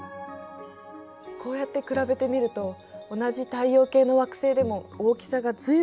こうやって比べてみると同じ太陽系の惑星でも大きさが随分違うことがわかるね。